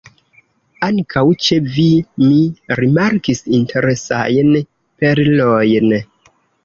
Ankaŭ ĉe vi mi rimarkis interesajn ‘perlojn’.